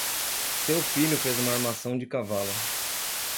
Seu filho fez uma armação de cavalo.